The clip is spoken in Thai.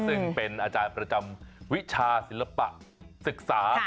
ซึ่งเป็นอาจารย์ประจำวิชาศิลปะศึกษา